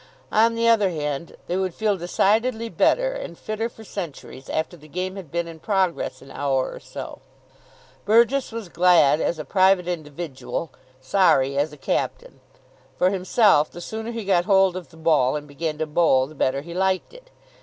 On the other hand, they would feel decidedly better and fitter for centuries after the game had been in progress an hour or so. Burgess was glad as a private individual, sorry as a captain. For himself, the sooner he got hold of the ball and began to bowl the better he liked it.